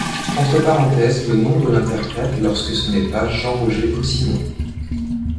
Entre parenthèses le nom de l'interprète lorsque ce n'est pas Jean-Roger Caussimon.